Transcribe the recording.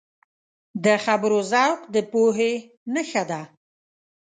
د خبرو ذوق د پوهې نښه ده